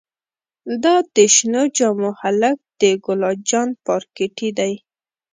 دا د شنو جامو هلک د ګلا جان پارکټې دې.